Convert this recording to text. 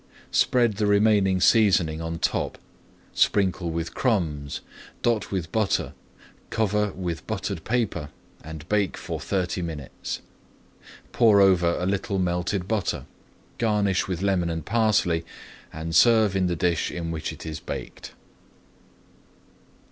Spread the remaining seasoning on top, sprinkle with crumbs, dot with butter, cover with buttered paper, and bake for thirty minutes. Pour over a little melted butter, garnish with lemon and parsley, and serve in the dish in which it is baked.